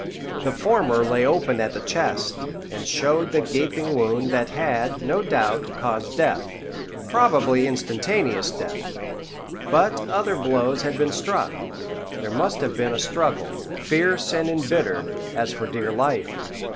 The former lay open at the chest, and showed the gaping wound that had, no doubt, caused death, probably instantaneous death. But other blows had been struck; there must have been a struggle, fierce and embittered, as for dear life.